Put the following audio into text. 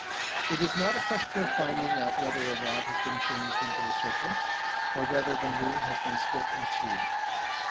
It is not a question of finding out whether a rod has been changed into a serpent, or whether the moon has been split in two.